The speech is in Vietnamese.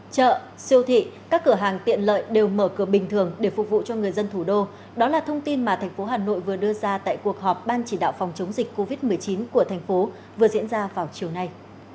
chợ siêu thị các cửa hàng tiện lợi đều mở cửa bình thường để phục vụ cho người dân thủ đô đó là thông tin mà thành phố hà nội vừa đưa ra tại cuộc họp ban chỉ đạo phòng chống dịch covid một mươi chín của thành phố vừa diễn ra vào chiều nay